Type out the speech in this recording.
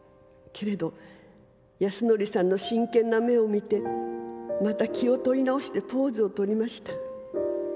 けれど安典さんの真剣な眼をみてまた気をとりなおしてポーズをとりました。